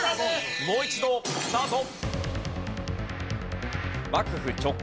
もう一度スタート。